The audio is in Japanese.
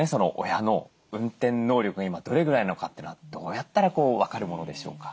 親の運転能力が今どれぐらいなのかっていうのはどうやったら分かるものでしょうか？